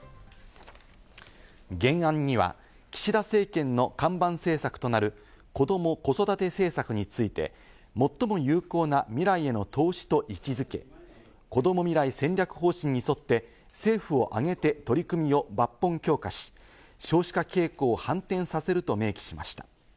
原案には岸田政権の看板政策となる、こども子育て政策について、最も有効な未来への投資と位置付け、こども未来戦略方針に沿って政府を挙げて取り組みを抜本強化し、少子化傾向を反転させると明記しました。